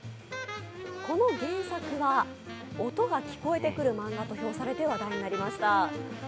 この原作は音が聞こえてくる漫画と評されて話題になりました。